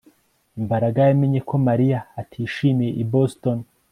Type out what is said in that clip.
Mbaraga yamenye ko Mariya atishimiye i Boston